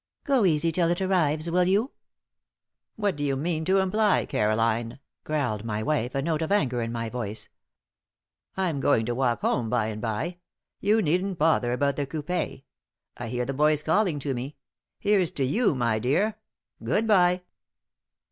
"Go easy till it arrives, will you?" "What do you mean to imply, Caroline?" growled my wife, a note of anger in my voice. "I'm going to walk home by and bye. You needn't bother about the coupé. I hear the boys calling to me. Here's to you, my dear! Good bye!"